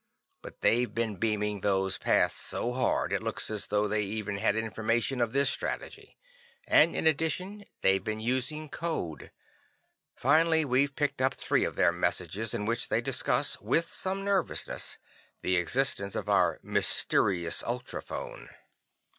But they've been beaming those paths so hard, it looks as though they even had information of this strategy. And in addition, they've been using code. Finally, we've picked up three of their messages in which they discuss, with some nervousness, the existence of our 'mysterious' ultrophone."